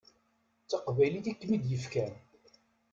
D taqbaylit i kem-id-yefkan.